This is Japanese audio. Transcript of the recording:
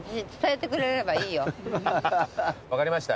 分かりました。